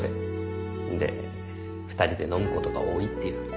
んで２人で飲むことが多いっていう。